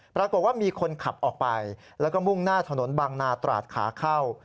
ปรากฏว่ามีคนขับออกไปแล้วก็มุ่งหน้าถนนบางนาตราดขาเข้า